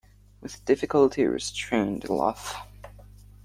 With difficulty he restrained a laugh.